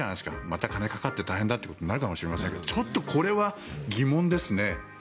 また金がかかって大変だということになるかもしれませんがちょっとこれは疑問ですね。